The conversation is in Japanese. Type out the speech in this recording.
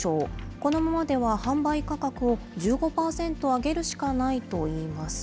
このままでは販売価格を１５％上げるしかないといいます。